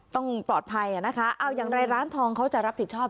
ต้องปลอดภัยอ่ะนะคะเอาอย่างไรร้านทองเขาจะรับผิดชอบ